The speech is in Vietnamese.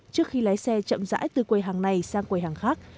trước khi lái xe chậm rãi từ quầy hàng này sang quầy hàng khác